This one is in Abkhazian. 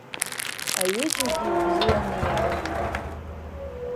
Аҩыџьагьы ибзианы иалгеит.